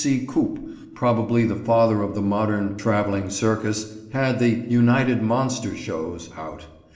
W. C. Coup, probably the father of the modern traveling circus, had the "United Monster Shows" out.